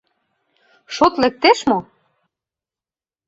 Шот лектеш мо?